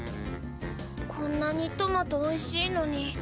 こんなにトマトおいしいのに。